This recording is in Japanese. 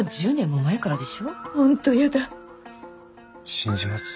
信じます？